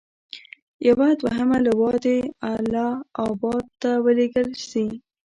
یوه دوهمه لواء دې اله اباد ته ولېږل شي.